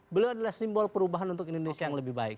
beliau adalah simbol perubahan untuk indonesia yang lebih baik